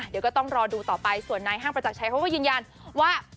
เดี๋ยวก็ต้องรอดูต่อไปส่วนนายห้างประจักรชัยเขาก็ยืนยันว่า